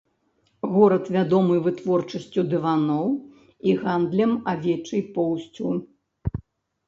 Горад вядомы вытворчасцю дываноў і гандлем авечай поўсцю.